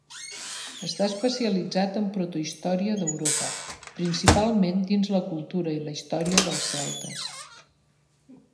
Està especialitzat en protohistòria d'Europa, principalment dins la cultura i la història dels celtes.